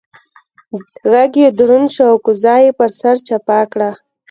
غږ يې دروند شو او کوزه يې پر سر چپه کړه.